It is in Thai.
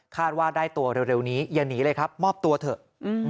ว่าได้ตัวเร็วนี้อย่าหนีเลยครับมอบตัวเถอะ